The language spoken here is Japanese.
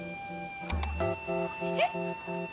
えっ。